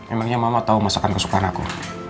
emangnya mama tahu masakan kesukaan aku